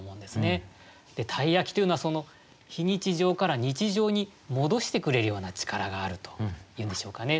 鯛焼というのはその非日常から日常に戻してくれるような力があるというんでしょうかね。